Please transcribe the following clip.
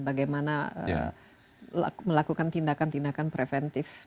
bagaimana melakukan tindakan tindakan preventif